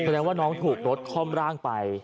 แสดงว่าน้องถูกรถค่อมร่างไป